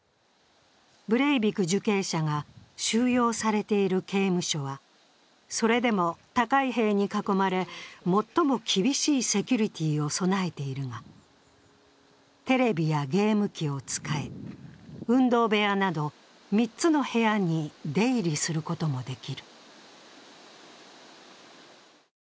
ブレイビク受刑者が収容されている刑務所はそれでも高い塀に囲まれ、最も厳しいセキュリティーを備えているが、テレビやゲーム機を使え運動部屋など３つの部屋に出入りすることもできる。